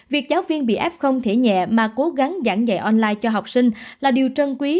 việc giáo viên bị f không thể nhẹ mà cố gắng giảng dạy online cho học sinh là điều trân quý